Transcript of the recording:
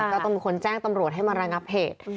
ก็ต้องมีคนแจ้งตำรวจให้มาระงับเหตุ